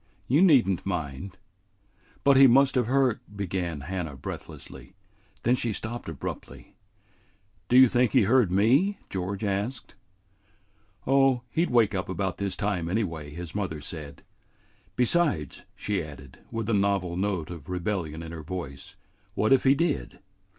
You need n't mind." "But he must have heard " began Hannah breathlessly. Then she stopped abruptly. "Do you think he heard me?" George asked. "Oh, he 'd wake up about this time anyway," his mother said. "Besides," she added, with a novel note of rebellion in her voice, "what if he did?